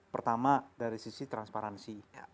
pertama dari sisi transparansi